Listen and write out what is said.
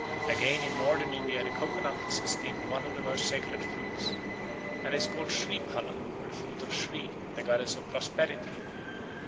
Again, in Northern India the coco nut is esteemed one of the most sacred fruits, and is called Sriphala, or the fruit of Sri, the goddess of prosperity.